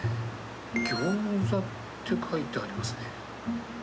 餃子って書いてありますね。